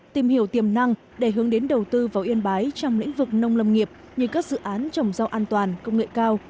tìm hiểu tiềm năng để hướng đến đầu tư vào yên bái trong lĩnh vực nông lâm nghiệp như các dự án trồng rau an toàn công nghệ cao